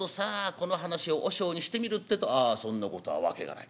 この話を和尚にしてみるってえと「ああそんなことは訳がない。